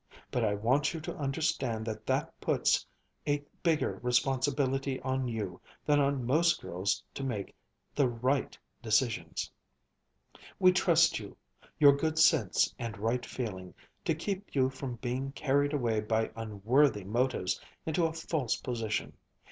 But I want you to understand that that puts a bigger responsibility on you than on most girls to make the right decisions. We trust you your good sense and right feeling to keep you from being carried away by unworthy motives into a false position.